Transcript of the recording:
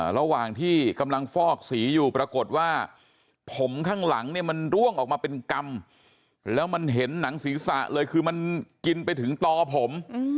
ระหว่างที่กำลังฟอกสีอยู่ปรากฏว่าผมข้างหลังเนี่ยมันร่วงออกมาเป็นกำแล้วมันเห็นหนังศีรษะเลยคือมันกินไปถึงต่อผม